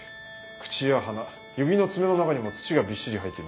口や鼻指の爪の中にも土がびっしり入っていました。